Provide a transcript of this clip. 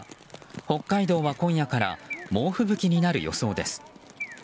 北海道は今夜から猛吹雪になる予想です。